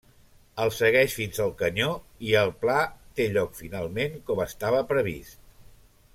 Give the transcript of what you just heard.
El segueix fins al canyó i el pla té lloc finalment com estava previst.